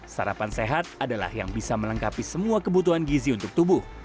sarapan sehat adalah yang bisa melengkapi semua kebutuhan gizi untuk tubuh